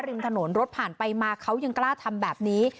ริมถนนรถผ่านไปมาเขายังกล้าทำแบบนี้